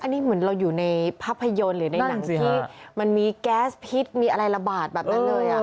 อันนี้เหมือนเราอยู่ในภาพยนตร์หรือในหนังที่มันมีแก๊สพิษมีอะไรระบาดแบบนั้นเลย